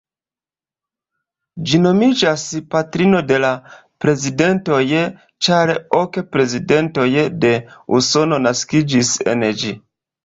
Ĝi nomiĝas "patrino de la prezidentoj", ĉar ok prezidentoj de Usono naskiĝis en ĝi.